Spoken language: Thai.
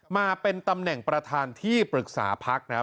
มาเป็นตำแหน่งประธานที่ปรึกษาพักนะครับ